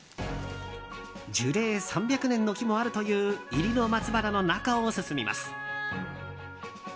樹齢３００年の木もあるという入野松原の中を進みます。